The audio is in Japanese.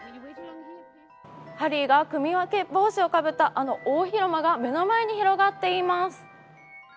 ハリーが組分け帽子をかぶったあの大広間が目の前に広がっています。